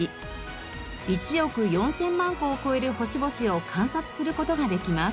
１億４０００万個を超える星々を観察する事ができます。